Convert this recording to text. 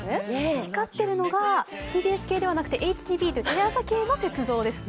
光ってるのがＴＢＳ系ではなくテレ朝系の雪像ですね。